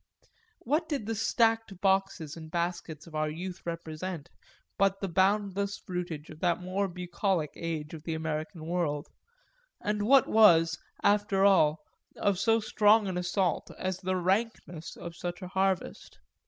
What did the stacked boxes and baskets of our youth represent but the boundless fruitage of that more bucolic age of the American world, and what was after all of so strong an assault as the rankness of such a harvest?